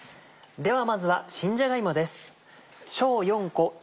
ではまずは新じゃが芋です。